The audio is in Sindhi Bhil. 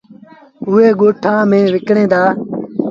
ائيٚݩ ڳوٚٺآن ميݩ وڪڻيٚن دآ۔